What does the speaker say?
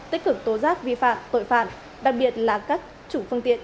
tích cực tố giác vi phạm tội phạm đặc biệt là các chủ phương tiện